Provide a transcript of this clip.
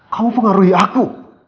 kamu pengaruhi aku